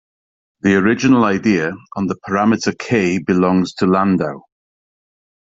The original idea on the parameter "k" belongs to Landau.